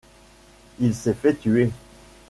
Il s’est fait tuer.